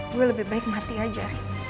gue lebih baik mati aja